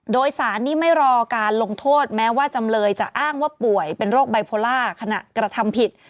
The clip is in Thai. โดยสารนี้ไม่รอการลงโทษแม้ว่าจำเลยจะอ้างว่าป่วยเป็นโรคไบโพล่าขณะกระทำผิด